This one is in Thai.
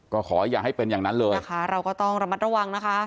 ก็ขออย่าให้เป็นอย่างนั้นเลยนะคะเราก็ต้องระมัดระวังนะคะ